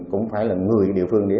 cũng phải là người địa phương